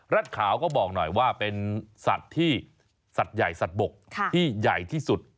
ขาวก็บอกหน่อยว่าเป็นสัตว์ที่สัตว์ใหญ่สัตว์บกที่ใหญ่ที่สุด